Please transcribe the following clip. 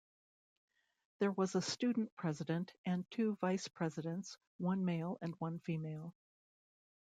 There was a Student President and two Vice-Presidents, one male and one female.